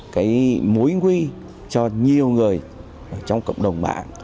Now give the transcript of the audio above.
cái mối nguy cho nhiều người trong cộng đồng mạng